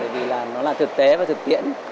vì nó là thực tế và thực tiễn